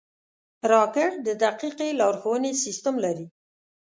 راکټ د دقیقې لارښونې سیسټم لري